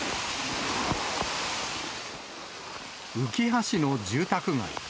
うきは市の住宅街。